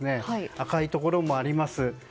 赤いところもあります。